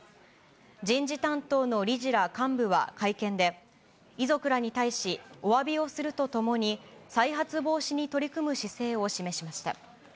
人事担当の理事ら幹部は会見で、遺族らに対しおわびをするとともに、再発防止に取り組む姿勢を示しました。